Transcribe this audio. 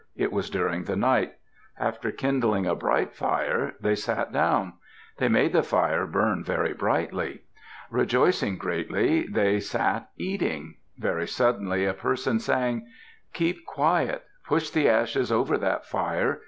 It was during the night. After kindling a bright fire, they sat down; they made the fire burn very brightly. Rejoicing greatly, they sat eating. Very suddenly a person sang. "Keep quiet. Push the ashes over that fire.